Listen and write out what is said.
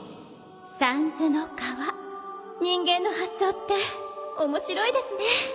さんずの川人間の発想って面白いですね